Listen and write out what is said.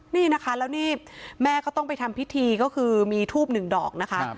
นี่นะคะแล้วนี่แม่ก็ต้องไปทำพิธีก็คือมีทูบหนึ่งดอกนะคะ